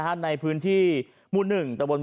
โอ้โหพังเรียบเป็นหน้ากล่องเลยนะครับ